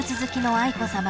愛子さま！